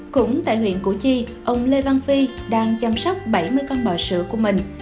cũng tại huyện củ chi ông lê văn phi đang chăm sóc bảy mươi con bò sữa của mình